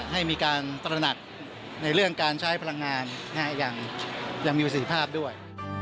ให้มีการตระหนักในเรื่องการใช้พลังงานอย่างมีประสิทธิภาพด้วย